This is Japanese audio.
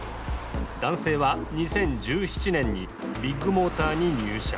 男性は２０１７年にビッグモーターに入社。